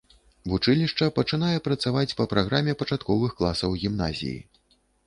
Вучылішча пачынае працаваць па праграме пачатковых класаў гімназіі.